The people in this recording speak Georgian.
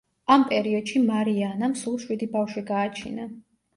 ამ პერიოდში მარია ანამ სულ შვიდი ბავშვი გააჩინა.